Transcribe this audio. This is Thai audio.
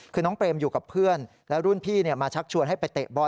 คือน้องเปรมอยู่กับเพื่อนแล้วรุ่นพี่มาชักชวนให้ไปเตะบอล